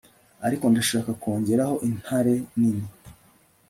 ariko ndashaka kongeraho intare nini